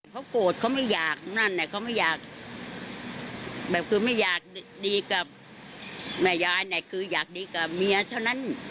เขาโกรธเขาไม่อยากนั่นเขาไม่อยากแบบคือไม่อยากดีกับแม่ยายเนี่ยคืออยากดีกับเมียเท่านั้น